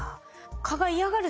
蚊が嫌がる